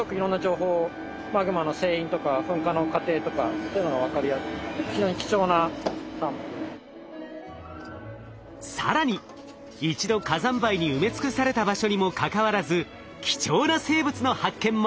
こういうのってものすごくいろんな情報を更に一度火山灰に埋め尽くされた場所にもかかわらず貴重な生物の発見も！